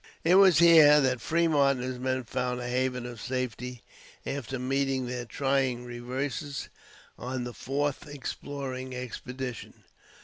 It was here that Fremont and his men found a haven of safety after meeting their trying reverses on the fourth exploring expedition.